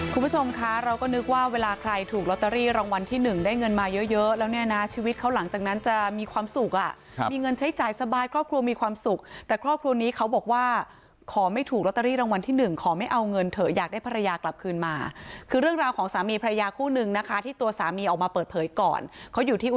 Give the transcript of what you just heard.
คุณผู้ชมคะเราก็นึกว่าเวลาใครถูกลอตเตอรี่รางวัลที่หนึ่งได้เงินมาเยอะเยอะแล้วเนี่ยนะชีวิตเขาหลังจากนั้นจะมีความสุขอ่ะมีเงินใช้จ่ายสบายครอบครัวมีความสุขแต่ครอบครัวนี้เขาบอกว่าขอไม่ถูกลอตเตอรี่รางวัลที่หนึ่งขอไม่เอาเงินเถอะอยากได้ภรรยากลับคืนมาคือเรื่องราวของสามีพระยาคู่นึงนะคะที่ตัวสามีออกมาเปิดเผยก่อนเขาอยู่ที่อุ